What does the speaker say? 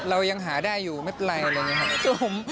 เรายังหาได้อยู่ไม่เป็นไรอะไรอย่างนี้ครับ